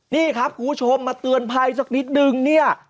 นี่ครับคุณผู้ชมมาเตือนภัยสักนิดนึงเนี่ย